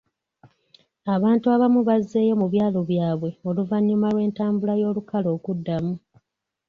Abantu abamu bazzeeyo mu byalo byabwe oluvannyuma lw'entambula y'olukale okuddamu.